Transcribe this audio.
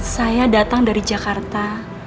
saya datang dari jakarta